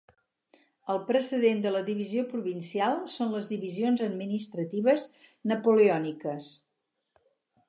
El precedent de la divisió provincial són les divisions administratives napoleòniques.